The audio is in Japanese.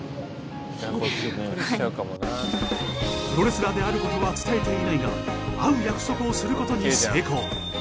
プロレスラーであることは伝えていないが会う約束をすることに成功。